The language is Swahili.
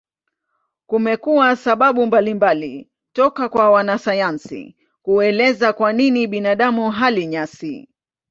Kumekuwa sababu mbalimbali toka kwa wanasayansi kuelezea kwa nini binadamu hali nyasi.